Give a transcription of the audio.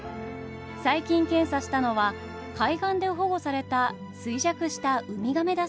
最近検査したのは海岸で保護された衰弱したウミガメだそうです。